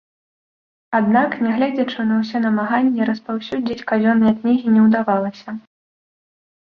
Аднак, нягледзячы на ўсе намаганні, распаўсюдзіць казённыя кнігі не ўдавалася.